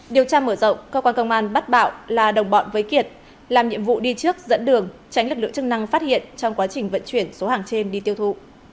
điều tra mở rộng cơ quan công an bắt bạo là đồng bọn với kiệt làm nhiệm vụ đi trước dẫn đường tránh lực lượng chức năng phát hiện trong quá trình vận chuyển số hàng trên đi tiêu thụ